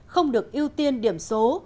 không được ưu tiên điểm số